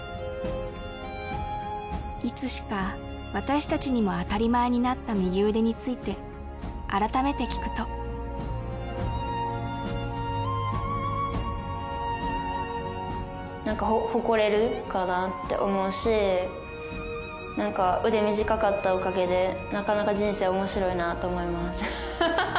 いつしか私たちにも当たり前になった右腕について改めて聞くとなんか誇れるかなって思うしなんか腕短かったおかげでなかなか人生おもしろいなと思いますハハハ